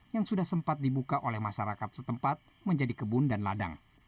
yang sudah sempat dibuka oleh masyarakat setempat menjadi kebun dan ladang